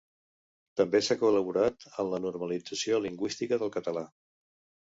També s'ha col·laborat en la normalització lingüística del català.